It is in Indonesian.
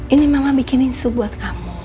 ini mama bikin insu buat kamu